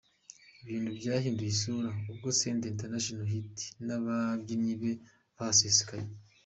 Ibintu byahinduye isura ubwo Senderi International Hit n’ababyinnye be bahasesekaye.